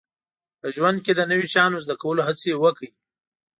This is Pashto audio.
په ژوند کې د نوي شیانو زده کولو هڅې وکړئ